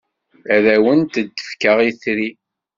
Ad awent-d-fkeɣ itri.